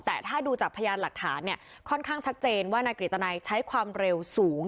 แต่ถ้าดูจากพยานหลักฐานเนี่ยค่อนข้างชัดเจนว่านายกฤตนัยใช้ความเร็วสูง